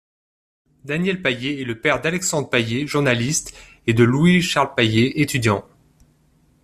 Daniel Paillé est le père d'Alexandre Paillé, journaliste, et de Louis-Charles Paillé, étudiant.